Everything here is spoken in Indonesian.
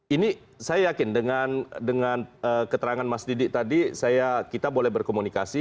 ini saya yakin dengan keterangan mas didik tadi kita boleh berkomunikasi